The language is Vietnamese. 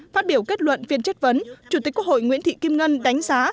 phát biểu kết luận phiên chất vấn chủ tịch quốc hội nguyễn thị kim ngân đánh giá